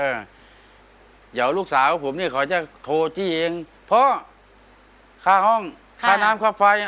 เดี๋ยวลูกสาวผมเนี่ยเขาจะโทรจี้เองเพราะค่าห้องค่าน้ำค่าไฟอ่ะ